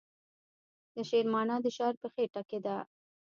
د شعر معنی د شاعر په خیټه کې ده.